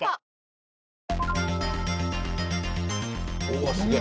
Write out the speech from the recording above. うわあすげえ！